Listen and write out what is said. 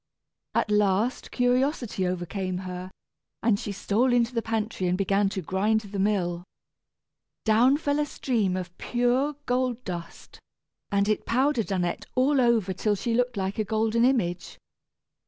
At last curiosity overcame her, and she stole into the pantry and began to grind the mill. Down fell a stream of pure gold dust, and it powdered Annette all over till she looked like a golden image.